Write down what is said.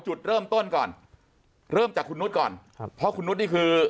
จุดเริ่มต้นก่อนเริ่มจากคุณนุษย์ก่อนครับเพราะคุณนุษย์นี่คือ